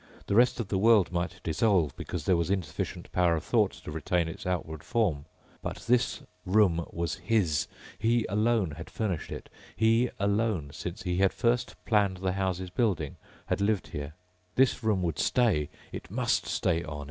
The rest of the world might dissolve because there was insufficient power of thought to retain its outward form. But this room was his. He alone had furnished it. He alone, since he had first planned the house's building, had lived here. This room would stay. It must stay on